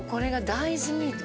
大豆ミート？